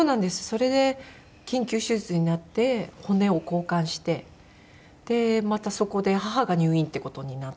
それで緊急手術になって骨を交換してまたそこで母が入院っていう事になって。